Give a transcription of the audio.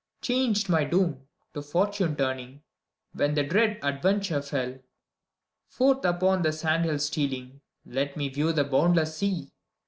Changed my doom, to fortune turning, When the dread adventure fell. Forth upon the sand hills stealing, Let me view the boundless sea!